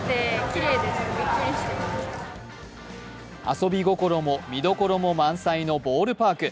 遊び心も見どころも満載のボールパーク。